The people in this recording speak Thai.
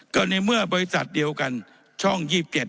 ก็ในเมื่อบริษัทเดียวกันช่อง๒๗